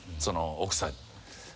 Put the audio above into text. その奥さん。